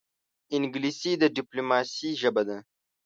انګلیسي د ډیپلوماسې ژبه ده